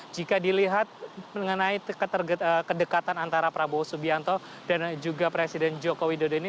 jika dilihat mengenai kedekatan antara prabowo subianto dan juga presiden joko widodo ini